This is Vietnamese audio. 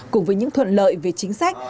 cùng với những thuận lợi về chính sách